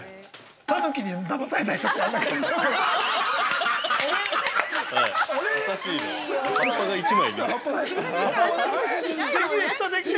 ◆タヌキにだまされた人ってあんな感じなのかなって。